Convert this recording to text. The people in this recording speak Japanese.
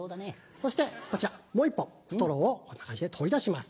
そしてこちらもう１本ストローをこんな感じで取り出します。